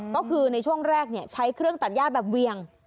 ก็คือในช่วงแรกใช้เครื่องตัดย่าแบบเวียง